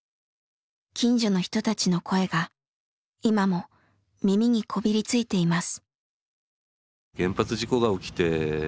近所の人たちの声が今も耳にこびりついています。